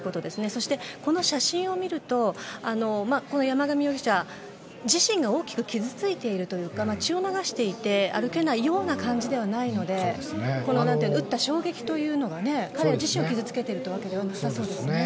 そして、この写真を見ると山上容疑者自身が大きく傷ついているというか血を流していて歩けないような感じではないので撃った衝撃というのが自身を傷つけているということではなさそうですね。